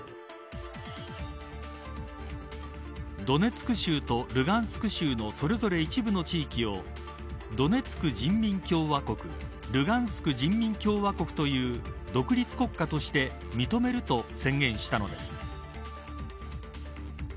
ドネツク州とルガンスク州のそれぞれ一部の地域をドネツク人民共和国ルガンスク人民共和国という独立国家として認めると宣言したのです。